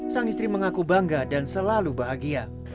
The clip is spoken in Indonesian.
sang istri mengaku bangga dan selalu bahagia